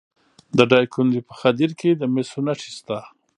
د دایکنډي په خدیر کې د مسو نښې شته.